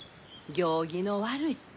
行儀の悪い。